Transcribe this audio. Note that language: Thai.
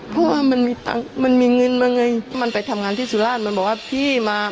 เพราะว่ามันมีตังค์มันมีเงินมาไงมันไปทำงานที่สุราชมันบอกว่าพี่มา